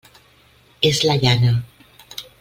És la llana.